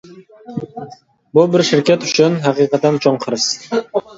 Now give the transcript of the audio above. بۇ بىر شىركەت ئۈچۈن ھەقىقەتەن چوڭ خىرىس.